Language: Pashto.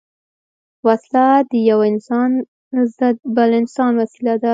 وسله د یو انسان ضد بل انسان وسيله ده